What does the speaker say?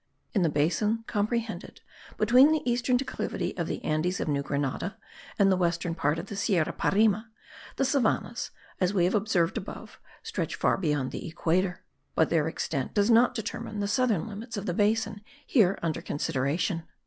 In the basin comprehended between the eastern declivity of the Andes of New Grenada and the western part of the Sierra Parime, the savannahs, as we have observed above, stretch far beyond the equator; but their extent does not determine the southern limits of the basin here under consideration.